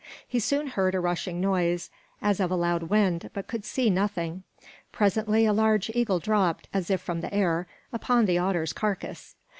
He soon heard a rushing noise as of a loud wind, but could see nothing. Presently a large eagle dropped, as if from the air, upon the otter's carcass.